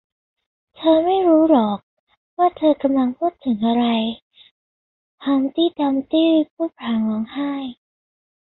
เธอไม่รู้หรอกว่าเธอกำลังพูดถึงอะไร ฮัมพ์ตี้ดัมพ์ตี้พูดพลางร้องไห้